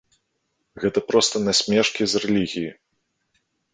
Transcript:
Гэта проста насмешкі з рэлігіі.